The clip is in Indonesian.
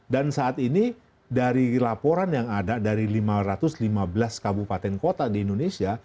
saat ini dari laporan yang ada dari lima ratus lima belas kabupaten kota di indonesia